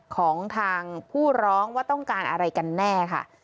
ของทางผู้ร้องว่าต้องการอะไรกันแน่ค่ะ